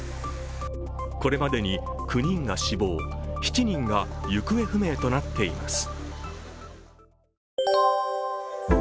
これまでに９人が死亡、７人が行方不明となっています。